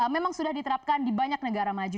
memang sudah diterapkan di banyak negara maju